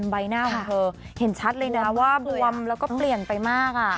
ใบหน้าของเธอเห็นชัดเลยนะว่าบวมแล้วก็เปลี่ยนไปมาก